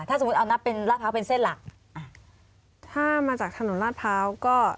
ถ้าสมมุติเอานับเป็นลาดพร้าวเป็นเส้นหลักอ่ะถ้ามาจากถนนลาดพร้าวก็